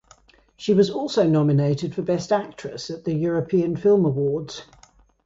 She was also nominated for Best Actress at the European Film Awards.